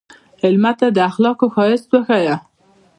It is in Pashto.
مېلمه ته د اخلاقو ښایست وښیه.